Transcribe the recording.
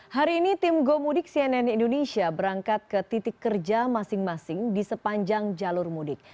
hari ini tim gomudik cnn indonesia berangkat ke titik kerja masing masing di sepanjang jalur mudik